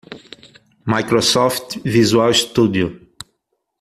Microsoft Visual Studio.